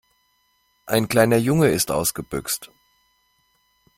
Ein kleiner Junge ist ausgebüxt.